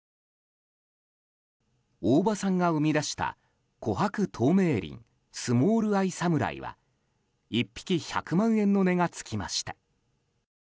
大場さんが生み出した琥珀透明鱗スモールアイサムライは１匹１００万円の値が付きました。